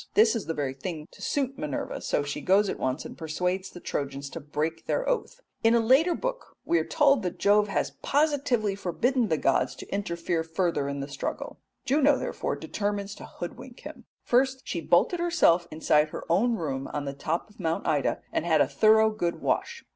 '" This is the very thing to suit Minerva, so she goes at once and persuades the Trojans to break their oath. In a later book we are told that Jove has positively forbidden the gods to interfere further in the struggle. Juno therefore determines to hoodwink him. First she bolted herself inside her own room on the top of Mount Ida and had a thorough good wash.